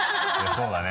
そうだね。